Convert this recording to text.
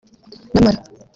nyamara